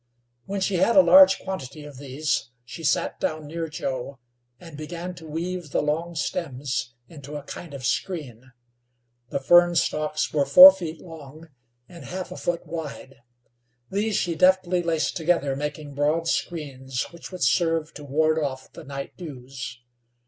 When she had a large quantity of these she sat down near Joe, and began to weave the long stems into a kind of screen. The fern stalks were four feet long and half a foot wide; these she deftly laced together, making broad screens which would serve to ward off the night dews.